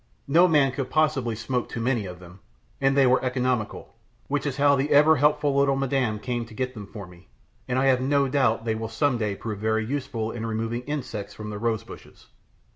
No man could possibly smoke too many of them, and they were economical, which is how the ever helpful little madame came to get them for me, and I have no doubt they will some day prove very useful in removing insects from the rose bushes.